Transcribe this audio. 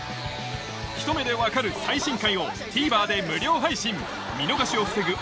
『ひと目でわかる‼』最新回をＴＶｅｒで無料配信見逃しを防ぐ